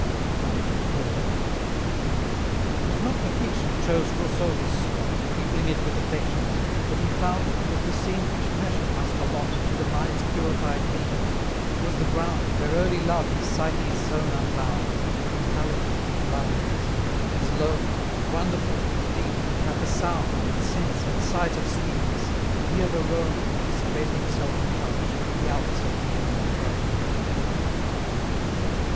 CIV. 'Twas not for fiction chose Rousseau this spot, Peopling it with affections; but he found It was the scene which passion must allot To the mind's purified beings; 'twas the ground Where early Love his Psyche's zone unbound, And hallowed it with loveliness: 'tis lone, And wonderful, and deep, and hath a sound, And sense, and sight of sweetness; here the Rhone Hath spread himself a couch, the Alps have reared a throne.